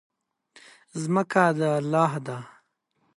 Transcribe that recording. ځمکه د الله ده.